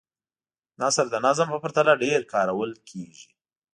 نثر د نظم په پرتله ډېر کارول کیږي.